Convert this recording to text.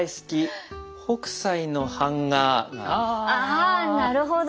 ああなるほど。